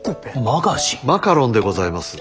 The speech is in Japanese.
マカロンでございます。